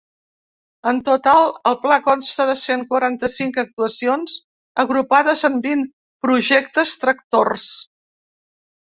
En total, el pla consta de cent quaranta-cinc actuacions, agrupades en vint projectes tractors.